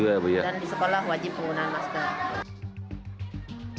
dan di sekolah wajib penggunaan masker